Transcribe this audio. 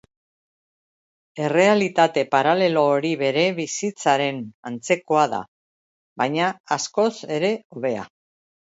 Errealitate paralelo hori bere bizitzaren antzekoa da, baina askoz ere hobea.